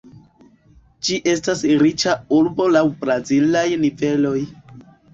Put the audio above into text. Ĝi estas riĉa urbo laŭ brazilaj niveloj.